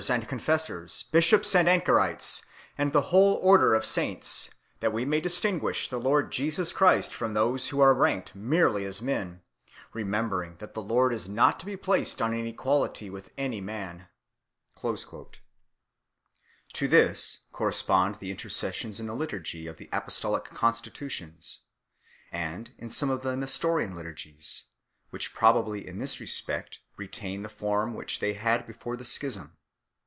401 confessors, bishops and anchorites, and the whole order of saints, that we may distinguish the Lord Jesus Christ from those who are ranked merely as men,... remembering that the Lord is not to be placed on an equality with any man." To this correspond the intercessions in the liturgy of the Apostolic Constitutions 1 , and in some of the Nes torian liturgies 2 , which probably in this respect retain the form which they had before the schism.